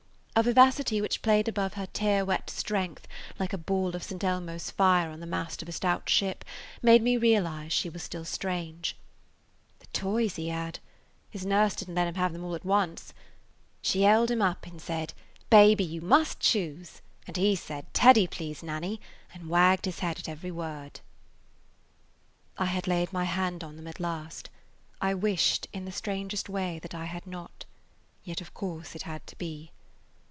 A vivacity which played above her tear wet strength, like a ball of St. Elmo's fire on the mast of a stout ship, made me realize she still was strange. "The toys [Page 172] he had! His nurse didn't let him have them all at once. She held him up and said, 'Baby, you must choose!' and he said, 'Teddy, please, Nanny,' and wagged his head at every word." I had laid my hand on them at last. I wished, in the strangest way, that I had not. Yet of course it had to be.